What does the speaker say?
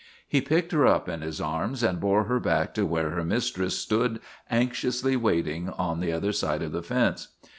He picked her up in his arms and bore her back to where her mistress stood anxiously waiting on the other side of the fence.